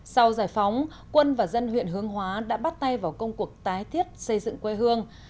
sau giải phóng quân và dân huyện hương hóa đã bắt tay vào công cuộc tái thiết xây dựng quê hương